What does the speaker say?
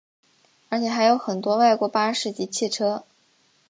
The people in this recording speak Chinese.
而且还有很多外国巴士及汽车。